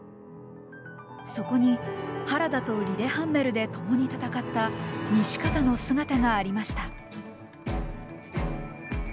そこに原田とリレハンメルで共に戦った西方の姿がありました。